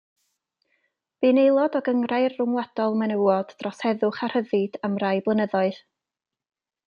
Bu'n aelod o Gynghrair Ryngwladol Menywod dros Heddwch a Rhyddid am rai blynyddoedd.